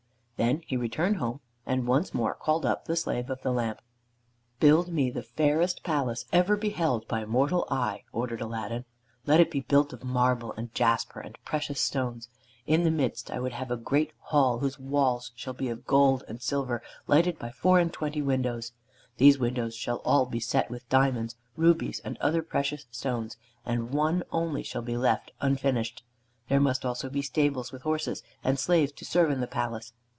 Then he returned home, and once more called up the Slave of the Lamp. "Build me the fairest palace ever beheld by mortal eye," ordered Aladdin. "Let it be built of marble and jasper and precious stones. In the midst I would have a great hall, whose walls shall be of gold and silver, lighted by four and twenty windows. These windows shall all be set with diamonds, rubies, and other precious stones, and one only shall be left unfinished. There must also be stables with horses, and slaves to serve in the palace.